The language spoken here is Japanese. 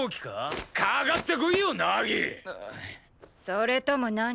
それとも何？